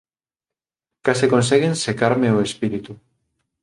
Case conseguen secarme o espírito.